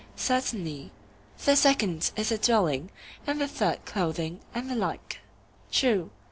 Certainly. The second is a dwelling, and the third clothing and the like. True.